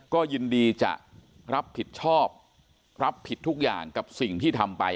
ก็ยินดีจะรับผิดชอบรับผิดทุกอย่างกับสิ่งที่ทำไป